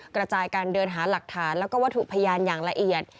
กระจายการเดินหาหลักฐานแล้วก็วัตถุพยานอย่างละเอียด